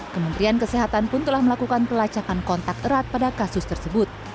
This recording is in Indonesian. kementerian kesehatan pun telah melakukan pelacakan kontak erat pada kasus tersebut